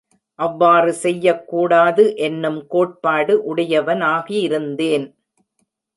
அவ்வாறு செய்யக்கூடாது என்னும் கோட்பாடு உடையவனாகிருந்தேன்.